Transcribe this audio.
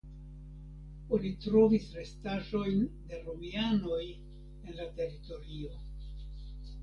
Oni trovis restaĵojn de romianoj en la teritorio.